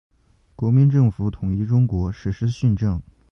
国民政府统一中国，实施训政。